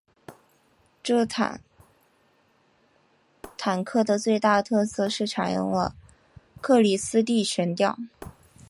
这款坦克的最大特色是采用了克里斯蒂悬吊。